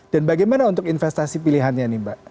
dan bagaimana untuk investasi pilihannya nih mbak